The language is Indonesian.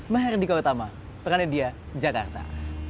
meherdika utama peranedia jakarta